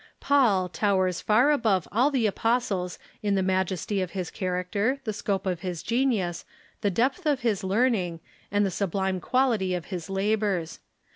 Paul toAvers far above all the apostles in the majesty of his character, the scope of his genius, the depth of his leai ning, and the sublime quality of his labors.